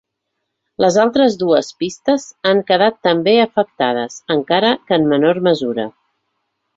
Les altres dues pistes han quedat també afectades, encara que en menor mesura.